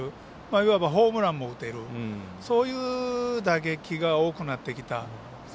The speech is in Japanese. いわばホームランも打てるそういう打撃が多くなってきた。